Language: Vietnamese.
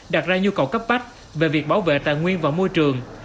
đặt ra nhu cầu cấp bách về việc bảo vệ tài nguyên và môi trường